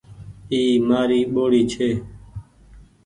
اي مآري ٻوڙي ڇي